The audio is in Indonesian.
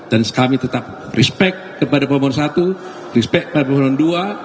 dan kami tetap respect kepada pemohon satu respect kepada pemohon dua